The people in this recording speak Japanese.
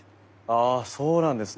ああそうなんですね。